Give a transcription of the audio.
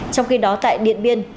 trong khi đó tại điện biên